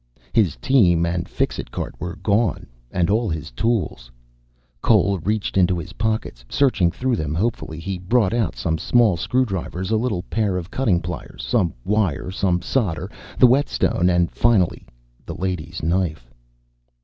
His team and Fixit cart were gone and all his tools. Cole reached into his pockets, searching through them hopefully. He brought out some small screwdrivers, a little pair of cutting pliers, some wire, some solder, the whetstone, and finally the lady's knife.